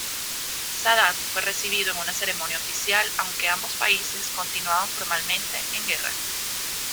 Sadat fue recibido en una ceremonia oficial, aunque ambos países continuaban formalmente en guerra.